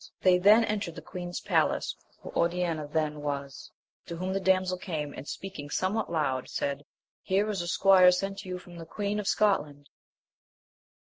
They then entered the queen's palace, where Oriana then was, to whom the damsel came, and speaking somewhat loud, said, here is a squire sent to you from the Queen of Scotland.